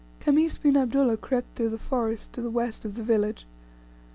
Khamis bin Abdullah crept through the forest to the west of the village.